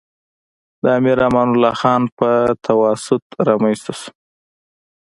د امیر امان الله خان په تواسط رامنځته شو.